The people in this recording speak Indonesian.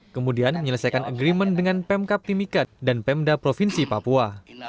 kemudian menyelesaikan agreement dengan pemkap timikat dan pemda provinsi papua